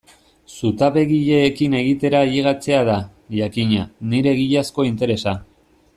Zutabegileekin egitera ailegatzea da, jakina, nire egiazko interesa.